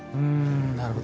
なるほど。